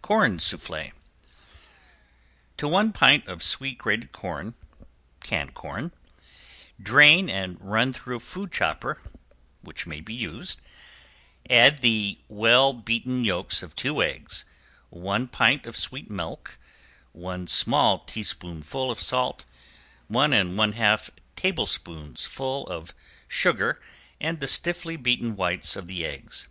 ~CORN SOUFFLE~ To one pint of sweet grated corn (canned corn) drain and run through a food chopper (may be used), add the well beaten yolks of two eggs, one pint of sweet milk, one small teaspoonful of salt, one and one half tablespoonfuls of sugar and the stiffly beaten whites of the eggs.